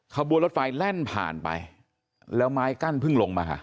ขบวนรถไฟแล่นผ่านไปแล้วไม้กั้นเพิ่งลงมา